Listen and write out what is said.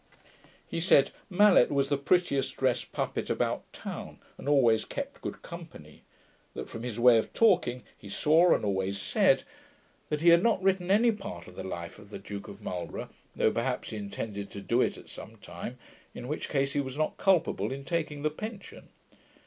He said, Mallet was the prettiest drest puppet about town, and always kept good company. That, from his way of talking, he saw, and always said, that he had not written any part of the Life of the Duke of Marlborough, though perhaps he intended to do it at some time, in which case he was not culpable in taking the pension.